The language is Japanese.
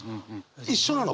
一緒なの。